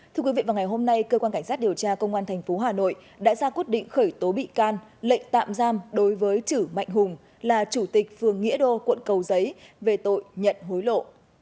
thưa quý vị vào ngày hôm nay cơ quan cảnh sát điều tra công an tp hà nội đã ra quyết định khởi tố bị can lệnh tạm giam đối với chử mạnh hùng là chủ tịch phường nghĩa đô quận cầu giấy về tội nhận hối lộ